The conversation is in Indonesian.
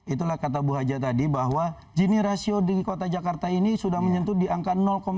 itulah kata bu haja tadi bahwa jenis rasio di kota jakarta ini sudah menyentuh di angka empat puluh tiga